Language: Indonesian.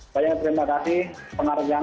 banyak terima kasih penghargaan